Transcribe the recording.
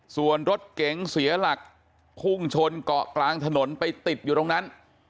ส่วนรถเก๋งเสียหลักพุ่งชนเกาะกลางถนนไปติดอยู่ตรงนั้น